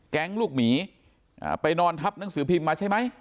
ลูกหมีไปนอนทับหนังสือพิมพ์มาใช่ไหม